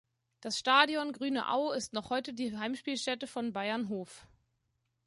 Das Stadion Grüne Au ist noch heute die Heimspielstätte von Bayern Hof.